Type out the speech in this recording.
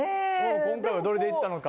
今回はどれでいったのか。